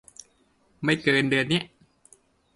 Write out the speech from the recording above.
ไม่เกิน เดือนเนี้ย